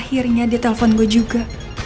akhirnya dia telpon gue juga